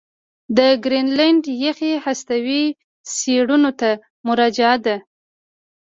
د ګرینلنډ یخي هستو څېړنو ته مراجعه ده